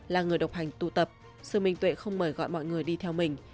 là người độc hành tu tập sư minh tuệ không mời gọi mọi người đi theo mình